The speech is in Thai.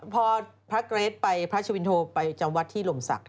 พอพระเกรดมินโธพิวเขาไปจังหวัดลงศักดิ์